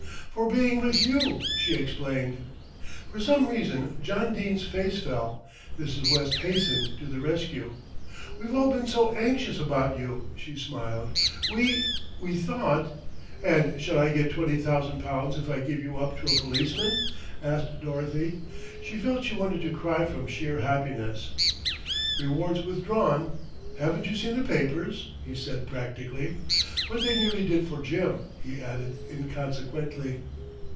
"For being with you," she explained. For some reason John Dene's face fell. Mrs. West hastened to the rescue. "We've all been so anxious about you," she smiled. "We we thought " "And shall I get twenty thousand pounds if I give you up to a policeman?" asked Dorothy. She felt she wanted to cry from sheer happiness. "Reward's withdrawn. Haven't you seen the papers?" he said practically; "but they nearly did for Jim," he added inconsequently.